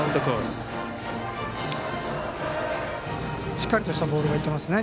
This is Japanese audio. しっかりとしたボールがいってますね。